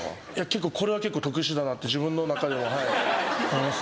これは結構特殊だなって自分の中でも思いますね。